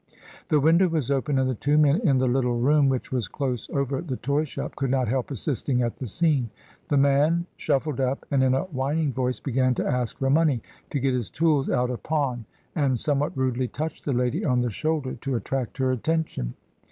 The window was open, and the two men in the little room which was close over the toy shop could not help assisting at the scene. The man shuffled up, and in a whining voice began to ask for money to get his tools out of pawn, and some what rudely touched the lady on the shoulder, to attract her attention.